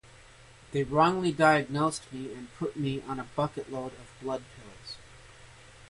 They wrongly diagnosed me and put me on a bucket load of blood pills.